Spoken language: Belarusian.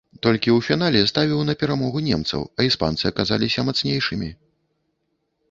Толькі ў фінале ставіў на перамогу немцаў, а іспанцы аказаліся мацнейшымі.